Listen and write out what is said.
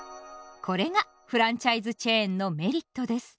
これがフランチャイズチェーンのメリットです。